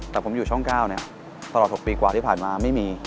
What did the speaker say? แต่ผมอยู่ช่องก้าวเนี่ยประมาณ๖ปีกว่าที่ผ่านมาไม่มี